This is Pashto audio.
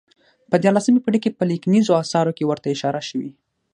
په دیارلسمې پېړۍ په لیکنیزو اثارو کې ورته اشاره شوې.